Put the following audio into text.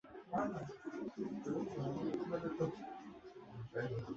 प्रशासनाचे बहुशः कार्यकारी अधिकार पंतप्रधानांच्या नेतृत्त्वाखालील कॅबिनेट मंत्रिमंडळाकडे असतात.